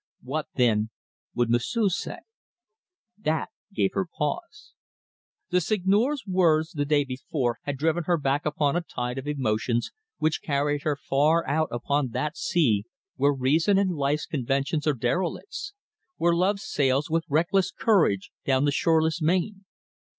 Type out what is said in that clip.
What, then, would M'sieu' say? That gave her pause. The Seigneur's words the day before had driven her back upon a tide of emotions which carried her far out upon that sea where reason and life's conventions are derelicts, where Love sails with reckless courage down the shoreless main.